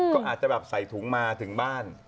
ก็อาจจะแบบใส่ถุงมาถึงบ้าน